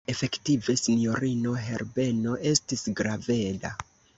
Efektive sinjorino Herbeno estis graveda.